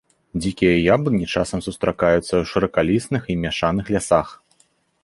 Дзікія яблыні часам сустракаюцца ў шыракалістых і мяшаных лясах.